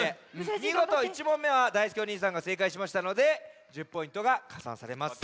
みごと１問めはだいすけお兄さんがせいかいしましたので１０ポイントがかさんされます。